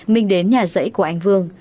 minh đến nhà rẫy của anh vương